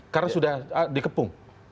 karena sudah di kepung